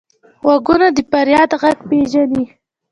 غوږونه د فریاد غږ پېژني